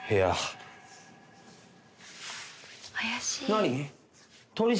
何？